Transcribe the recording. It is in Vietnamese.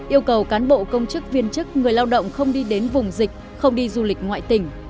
yêu cầu cán bộ công chức viên chức người lao động không đi đến vùng dịch không đi du lịch ngoại tỉnh